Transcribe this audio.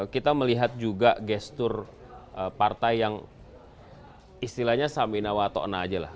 kita melihat juga gestur partai yang istilahnya samina wa to'ona aja lah